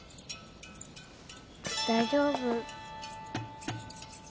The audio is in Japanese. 大丈夫。